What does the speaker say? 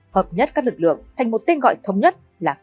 hợp nhất các lực lượng thành một tên gọi thống nhất là công an